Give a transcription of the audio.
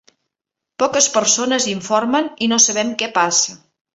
Poques persones informen i no sabem què passa.